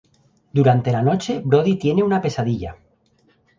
Durante la noche, Brody tiene una pesadilla.